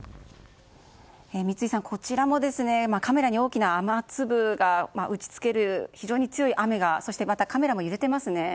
三井さん、こちらもカメラに大きな雨粒が打ち付ける非常に強い雨そしてまたカメラも揺れていますね。